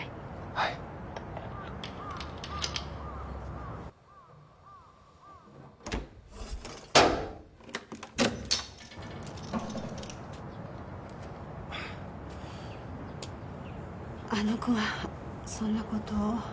はいあの子がそんなことを？